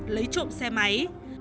lấy trộm xe máy